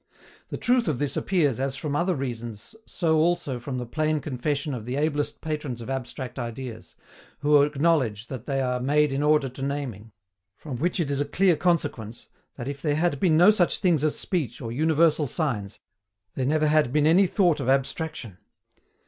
The truth of this appears as from other reasons so also from the plain confession of the ablest patrons of abstract ideas, who acknowledge that they are made in order to naming; from which it is a clear consequence that if there had been no such things as speech or universal signs there never had been any thought of abstraction.